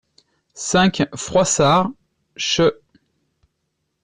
cinq Froissard, ch.